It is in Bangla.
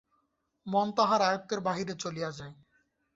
মন তাহার আয়ত্তের বাহিরে চলিয়া যায়।